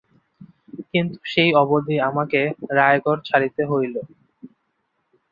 কিন্তু সেই অবধি আমাকে রায়গড় ছাড়িতে হইল।